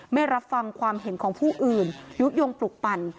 ไม่รับฟังความเห็นของผู้อื่นยุโยงปลุกปั่น